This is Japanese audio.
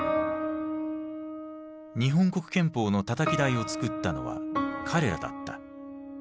日本国憲法のたたき台をつくったのは彼らだった。